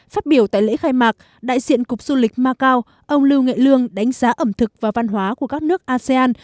phát biểu tại lễ khai mạc đại diện cục du lịch macau ông lưu nghệ lương đánh giá ẩm thực và văn hóa của các nước asean